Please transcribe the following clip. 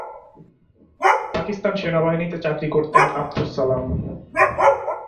পাকিস্তান সেনাবাহিনীতে চাকরি করতেন আবদুস সালাম।